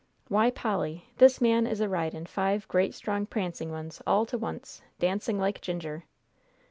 Why, Polly, this man is a ridin' five great strong prancing ones all to once, dancing like ginger."